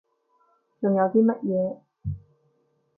仲有啲乜嘢？